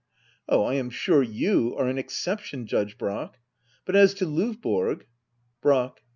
Oh, I am sure you are an exception. Judge Brack. But as to Lovborg ? Brack.